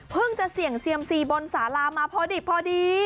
เพิ่งจะเสี่ยงเซียม๔บนสารามาพอดี